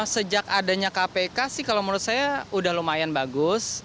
sejak adanya kpk sih kalau menurut saya udah lumayan bagus